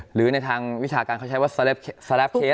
หรือในทางวิทยาการเขาใช้ว่าอรับเขล